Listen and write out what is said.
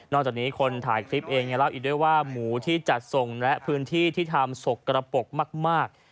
จากนี้คนถ่ายคลิปเองยังเล่าอีกด้วยว่าหมูที่จัดส่งและพื้นที่ที่ทำสกกระปกมาก